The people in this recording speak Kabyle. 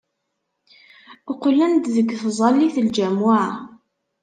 Qqlen-d seg tẓallit n ljamuɛa.